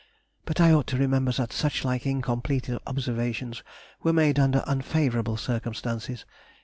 But I ought to remember that suchlike incomplete observations were made under unfavourable circumstances.